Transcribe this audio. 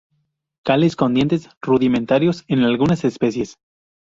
Cáliz con dientes –rudimentarios en algunas especies–.